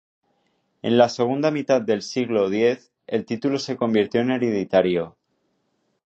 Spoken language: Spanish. En la segunda mitad del siglo X el título se convirtió en hereditario.